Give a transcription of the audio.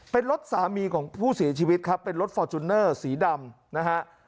เป็นรถสามีของผู้เสียชีวิตครับเป็นรถฟอร์จูเนอร์สีดำนะฮะ